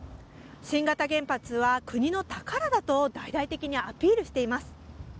新型原発は国の宝だと大々的にアピールしています。